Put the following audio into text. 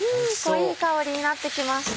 いい香りになってきました。